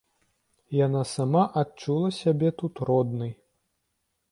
І яна сама адчула сябе тут роднай.